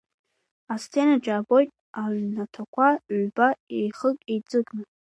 Асценаҿ иаабоит аҩнаҭақәа ҩба еихык-еиҵыкны.